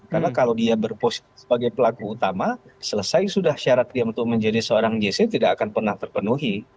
karena kalau dia berposisi sebagai pelaku utama selesai sudah syarat dia untuk menjadi seorang justice tidak akan pernah terpenuhi